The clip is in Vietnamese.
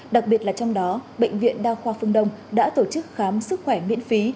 đặc biệt là trong đó bệnh viện đa khoa phương đông đã tổ chức khám sức khỏe miễn phí